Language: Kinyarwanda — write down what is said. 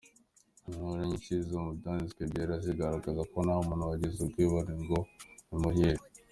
Inkuru nyinshi zo mu Byanditswe byera zigaragaza ko nta muntu wagize ubwibone ngo bimuhire.